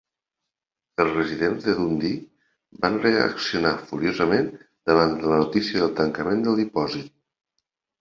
Els residents de Dundee van reaccionar furiosament davant la notícia del tancament del dipòsit.